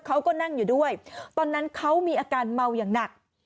เขาก็นั่งอยู่ด้วยตอนนั้นเขามีอาการเมาอย่างหนัก